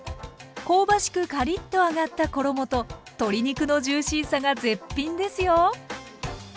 香ばしくカリッと揚がった衣と鶏肉のジューシーさが絶品ですよ！